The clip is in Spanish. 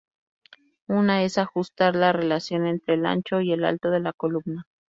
Una es ajustar la relación entre el ancho y el alto de la columna.